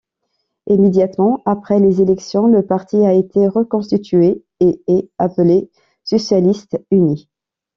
Immédiatement après les élections, le parti a été reconstitué et est appelé Socialistes unis.